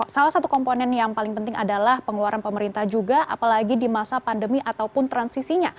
salah satu komponen yang paling penting adalah pengeluaran pemerintah juga apalagi di masa pandemi ataupun transisinya